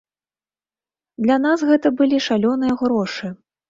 Для нас гэта былі шалёныя грошы.